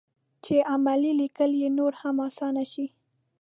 چې عملي لیکل یې نور هم اسان شي.